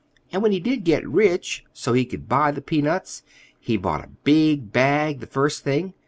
And when he did get rich, so he could buy the peanuts, he bought a big bag the first thing.